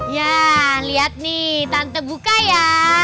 ya lihat nih tante buka ya